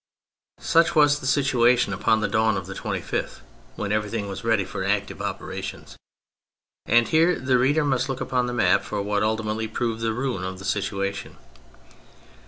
Such was the situation upon the dawn of the 25th, when everything was ready for active operations. And here the reader must look upon the map for what ultimately proved the ruin of the situation.